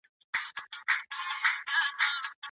شخصي تجربې د نویو معلوماتو په درک کي مرسته کوي.